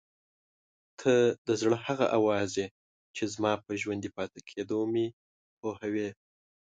ته د زړه هغه اواز یې چې زما په ژوندي پاتې کېدو مې پوهوي.